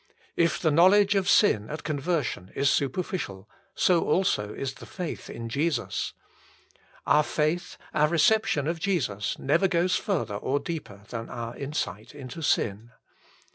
If the knowledge of sin at conversion is superficial, so also is the faith in Jesus. Our faith, our reception of Jesus never goes further or deeper than our insight into sin.